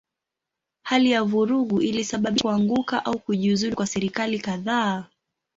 Hali ya vurugu ilisababisha kuanguka au kujiuzulu kwa serikali kadhaa.